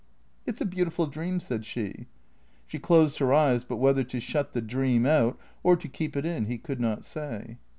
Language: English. " It 's a beautiful dream," said she. She closed her eyes, but whether to shut the dream out or to keep it in he could not say.